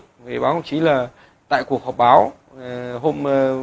thì báo công trí là tại cuộc họp báo hôm một mươi ba